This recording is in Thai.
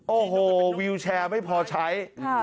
โอ้โหวิวแชร์ไม่พอใช้